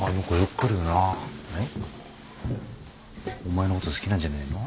お前のこと好きなんじゃねえの？